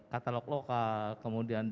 katalog lokal kemudian